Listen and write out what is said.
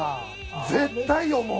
絶対読もう。